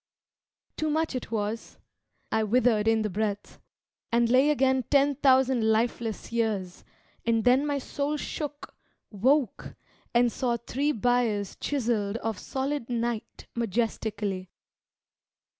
Too much it was: I withered in the breath; And lay again ten thousand lifeless years; And then my soul shook, woke and saw three biers Chiselled of solid night majestically.